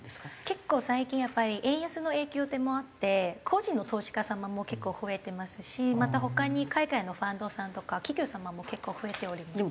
結構最近やっぱり円安の影響もあって個人の投資家様も結構増えてますしまた他に海外のファンドさんとか企業様も結構増えております。